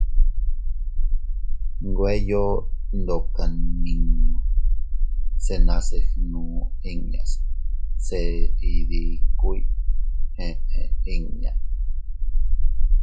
Nweyo ndoka nmiño se nase gnu inñas se iydikuy eʼe inña.